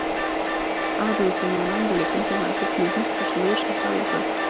هغه د مسلمانانو د لیکنو پر بنسټ لویدیځ پر لور سفر وکړ.